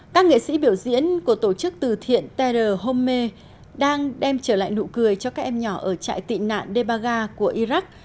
các nghệ sĩ biểu diễn của tổ chức từ thiện terre homme đang đem trở lại nụ cười cho các em nhỏ ở trại tị nạn dehbaga của iraq